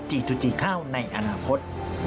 จีทูจีข้าวในอนาคต